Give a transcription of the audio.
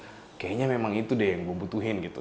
terus dia bilang kayaknya memang itu deh yang gue butuhin gitu